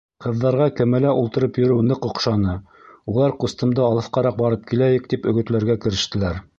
Ҡыҙҙарға кәмәлә ултырып йөрөү ныҡ оҡшаны, улар ҡустымды, алыҫҡараҡ барып киләйек, тип өгөтләргә керештеләр.